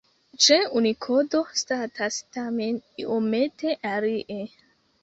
Ĉe Unikodo statas tamen iomete alie.